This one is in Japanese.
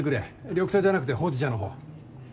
緑茶じゃなくてほうじ茶の方。